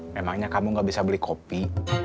memangnya kamu gak bisa beli kopi